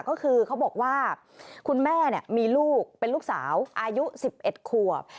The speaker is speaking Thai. ก็คือเขาบอกว่าคุณแม่มีลูกเป็นลูกสาวอายุ๑๑ขวบ